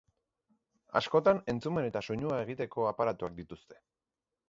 Askotan entzumen eta soinua egiteko aparatuak dituzte.